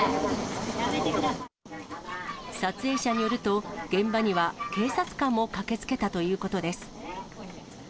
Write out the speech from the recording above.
撮影者によると、現場には警察官も駆けつけたということです。